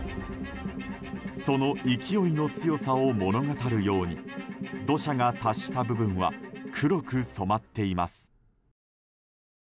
その勢いの強さを物語るように土砂が達した部分は黒く染まっています。